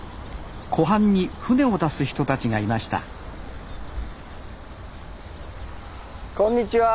湖畔に船を出す人たちがいましたこんにちは。